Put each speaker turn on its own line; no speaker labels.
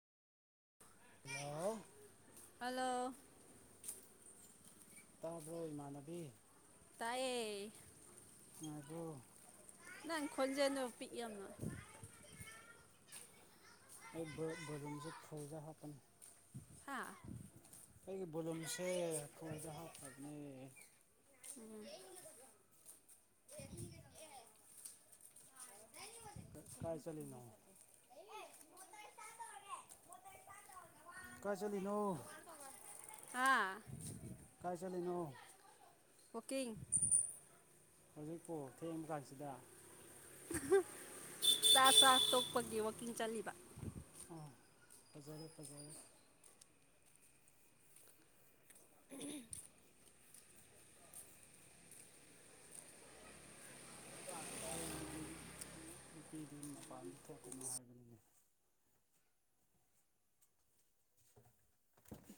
ꯍꯥꯜꯂꯣ
hello
ꯇꯥꯕ꯭ꯔꯣ ꯏꯃꯥꯟꯅꯕꯤ
ꯇꯥꯏꯌꯦ
ꯅꯨꯡꯉꯥꯏꯔꯤꯕꯣ
ꯅꯪ ꯈꯣꯟꯖꯦꯟꯗꯣ ꯄꯤꯛꯑꯦ
ꯑꯩ ꯕꯥꯠꯔꯨꯝꯁꯦ ꯐꯨꯟꯗ ꯍꯥꯞꯄꯅꯦ
ꯍꯥꯥ
ꯑꯩꯒꯤ ꯕꯣꯂꯨꯝꯁꯦ ꯈꯨꯗ ꯍꯥꯞꯈ꯭ꯔꯕꯅꯦ
ꯎꯝ [inaudible]
ꯀꯥꯏ ꯆꯠꯂꯤꯅꯣ ꯀꯥꯢ ꯆꯠꯂꯤꯅꯣ
ꯍꯥ
ꯀꯥꯏ ꯆꯠꯂꯤꯅꯣ
ꯋꯥꯛꯀꯤꯡ
ꯍꯧꯖꯤꯛꯄꯨ ꯊꯦꯡꯑꯀꯥꯟꯁꯤꯗ
ꯆꯥꯛ ꯆꯥ ꯇꯣꯛꯄꯒꯤ ꯋꯥꯛꯀꯤꯡ ꯆꯠꯂꯤꯕ
ꯑꯣ ꯐꯖꯔꯦ ꯐꯖꯔꯦ
ꯎꯝ
ꯊꯦꯡꯉꯗꯤ ꯅꯨꯄꯤꯗꯤ ꯃꯄꯥꯟꯗ ꯊꯣꯛꯀꯅꯨ ꯍꯥꯏꯕꯅꯤꯅꯦ [inaudible]